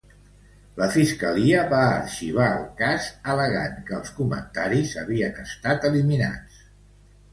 La Fiscalia va arxivar el cas al·legant que els comentaris havien estat eliminats.